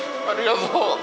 ありがとう。